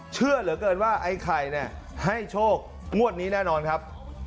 เชื่อเหลือเกินว่าไอ้ไข่ให้โชคงวดนี้แน่นอนครับ